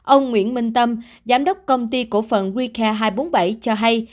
ông nguyễn minh tâm giám đốc công ty cổ phận wikha hai trăm bốn mươi bảy cho hay